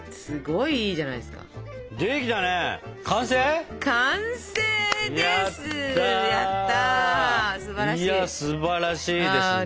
いやすばらしいですね。